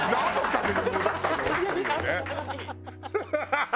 ハハハハ！